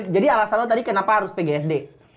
jadi alasan lo tadi kenapa harus pg sd